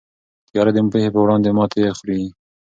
تیاره د پوهې په وړاندې ماتې خوري.